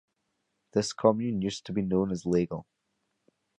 This commune used to be known as "Laigle".